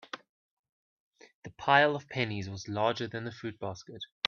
The pile of pennies was larger than the fruit basket.